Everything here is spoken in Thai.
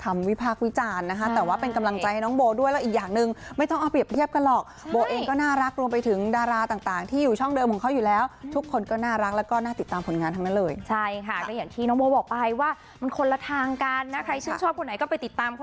มีทั้งดีและไม่ดีอยู่แล้วค่ะ